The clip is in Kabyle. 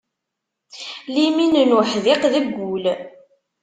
Limin n uḥdiq deg ul.